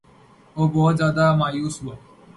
وہ بہت زیادہ مایوس ہوا